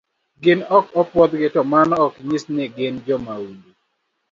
Gin ok opuodhgi to mano ok onyiso ni gin jomahundu.